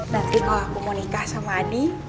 nanti kalau aku mau nikah sama adi